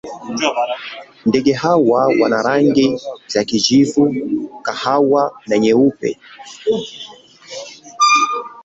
Ndege hawa wana rangi za kijivu, kahawa na nyeupe.